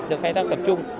được khai tăng tập trung